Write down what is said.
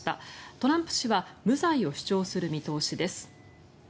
トランプ氏は無罪を主張する見通しです。